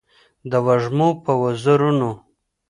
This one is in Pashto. د وږمو په وزرونو